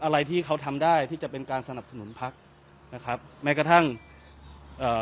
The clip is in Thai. อะไรที่เขาทำได้ที่จะเป็นการสนับสนุนพักนะครับแม้กระทั่งเอ่อ